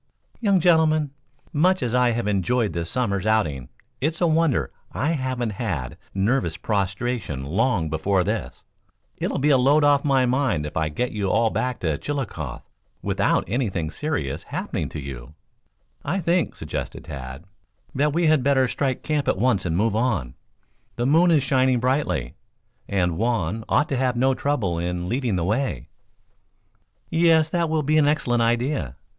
"Young gentlemen, much as I have enjoyed this summer's outing, it's a wonder I haven't had nervous prostration long before this. It'll be a load off my mind if I get you all back in Chillicothe without anything serious happening to you." "I think," suggested Tad, "that we had better strike camp at once and move on. The moon is shining brightly, and Juan ought to have no trouble in leading the way." "Yes; that will be an excellent idea.